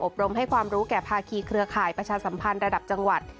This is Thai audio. รมให้ความรู้แก่ภาคีเครือข่ายประชาสัมพันธ์ระดับจังหวัด